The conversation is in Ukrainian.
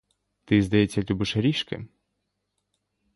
Ти, здається, любиш ріжки?